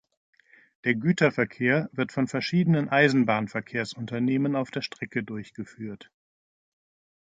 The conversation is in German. Der Güterverkehr wird von verschiedenen Eisenbahnverkehrsunternehmen auf der Strecke durchgeführt.